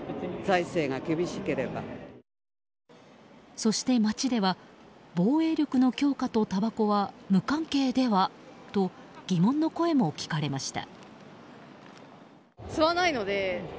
そして街では防衛力の強化とたばこは無関係ではと疑問の声も聞かれました。